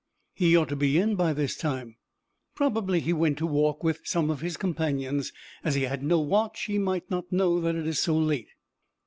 "He ought to be in by this time." "Probably he went to walk with some of his companions. As he had no watch, he might not know that it is so late."